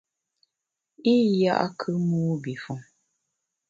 I ya’kù mobifon.